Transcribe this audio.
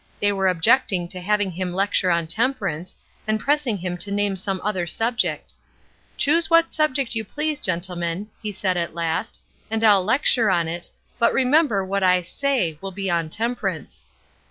They were objecting to having him lecture on temperance, and pressing him to name some other subject. 'Choose what subject you please, gentlemen,' he said at last, 'and I'll lecture on it, but remember what I say will be on temperance.'